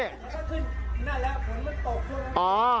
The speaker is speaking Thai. มันก็ขึ้นนั่นแหละฝนมันตกลง